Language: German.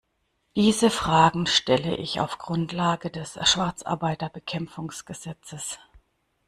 Diese Fragen stelle ich auf Grundlage des Schwarzarbeitsbekämpfungsgesetzes.